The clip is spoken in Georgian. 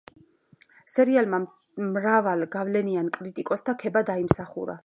სერიალმა მრავალ გავლენიან კრიტიკოსთა ქება დაიმსახურა.